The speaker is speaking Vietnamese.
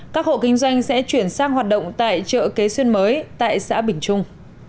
các hộ kinh doanh sẽ chuyển sang hoạt động tại chợ kế xuyên mới tại xã bình trung